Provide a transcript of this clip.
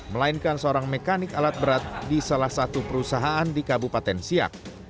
melainkan seorang mekanik alat berat di salah satu perusahaan di kabupaten siak